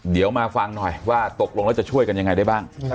เดี๋ยวมาฟังหน่อยว่าตกลงแล้วจะช่วยกันยังไงได้บ้าง